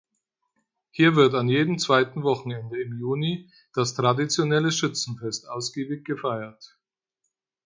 Hier wird an jedem zweiten Wochenende im Juni das traditionelle Schützenfest ausgiebig gefeiert.